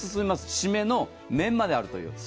シメの麺まであるという。